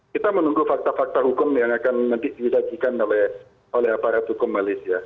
kita menunggu fakta fakta hukum yang akan nanti disajikan oleh aparat hukum malaysia